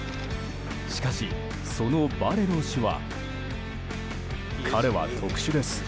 しかし、そのバレロ氏は。